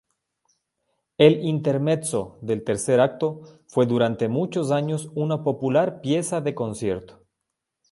El intermezzo del tercer acto fue durante muchos años una popular pieza de concierto.